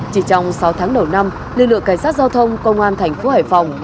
chỉ trong sáu tháng đầu năm lực lượng cảnh sát giao thông công an thành phố hải phòng